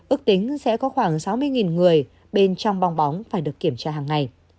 ước tính sẽ có khoảng sáu mươi người bên trong bong bóng phải được kiểm tra hàng ngày